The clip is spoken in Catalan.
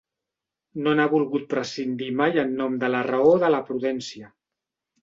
No n'ha volgut prescindir mai en nom de la raó o de la prudència.